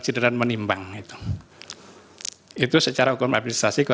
mereka masih diem advent arthur